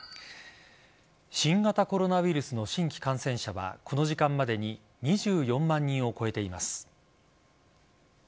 新型コロナウイルスの新規感染者はこの時間までに２４万人を超えています。